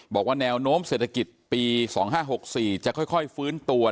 บอกว่าแนวโน้มเศรษฐกิจปี๒๕๖๔จะค่อยฟื้นตัว